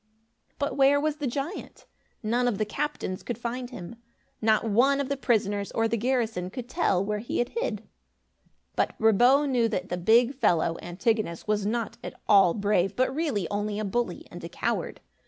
But where was the giant? None of the captains could find him. Not one of the prisoners or the garrison could tell where he had hid. But Brabo knew that the big fellow, Antigonus, was not at all brave, but really only a bully and a coward.